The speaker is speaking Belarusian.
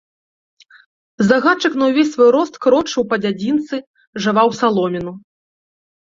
Загадчык на ўвесь свой рост крочыў па дзядзінцы, жаваў саломіну.